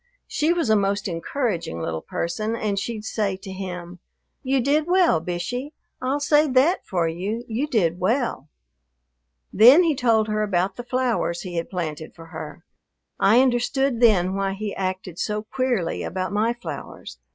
She was a most encouraging little person, and she'd say to him, "You did well, Bishey. I'll say that for you: you did well!" Then he told her about the flowers he had planted for her. I understood then why he acted so queerly about my flowers.